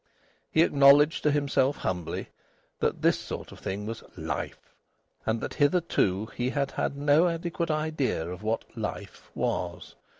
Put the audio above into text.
He acknowledged to himself humbly that this sort of thing was "life," and that hitherto he had had no adequate idea of what "life" was.